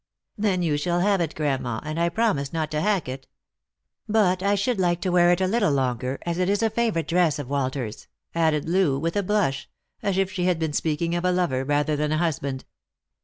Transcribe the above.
" Then you shall have it, grandma, and I promise not to hack it. But I should like to wear it a little longer, as it is a fa vourite dress of Walter's," added Loo, with a blush, as if she had been speaking of a lover rather than a husband.